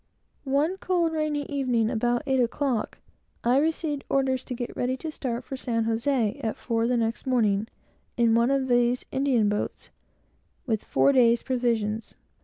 One cold, rainy evening, about eight o'clock, I received orders to get ready to start for San José at four the next morning, in one of these Indian boats, with four days' provisions.